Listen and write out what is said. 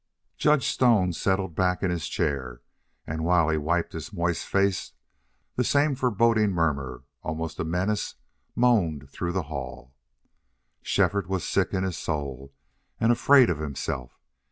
Judge Stone settled back in his chair, and while he wiped his moist face that same foreboding murmur, almost a menace, moaned through the hall. Shefford was sick in his soul and afraid of himself.